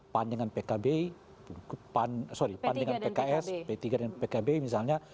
pandangan pkb sorry pandangan pks p tiga dan pkb misalnya